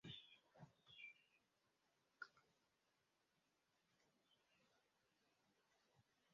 Sala ya moyo inaweza kufanyika saa yoyote, asubuhi, mchana, jioni au usiku.